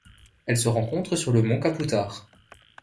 Elle se rencontre sur le mont Kaputar.